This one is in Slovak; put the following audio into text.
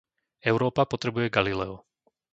Európa potrebuje Galileo.